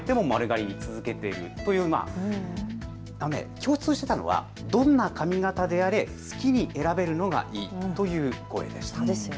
共通していたのはどんな髪型であれ好きに選べるのがいいという意見でした。